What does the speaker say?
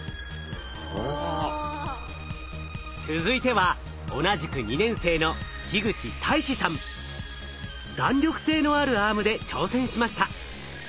続いては同じく２年生の弾力性のあるアームで挑戦しました。